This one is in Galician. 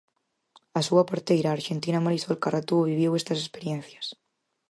A súa porteira, a arxentina Marisol Carratú, viviu estas experiencias.